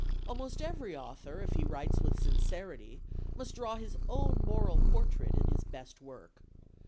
Almost every author, if he writes with sincerity, must draw his own moral portrait in his best work.